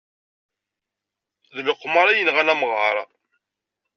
D leqmar i yenɣan amɣar.